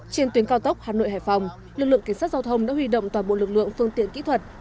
trên tuyến cao tốc hà nội hải phòng lực lượng cảnh sát giao thông đã huy động toàn bộ lực lượng phương tiện kỹ thuật